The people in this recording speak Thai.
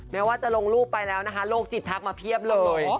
แม้ว่าจะลงรูปไปแล้วนะคะโรคจิตทักมาเพียบเลย